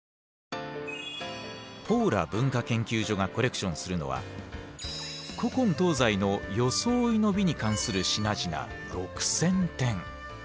ポーラ文化研究所がコレクションするのはに関する品々６，０００点。